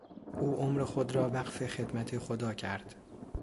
او عمر خود را وقف خدمت خدا کرد.